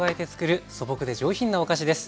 素朴で上品なお菓子です。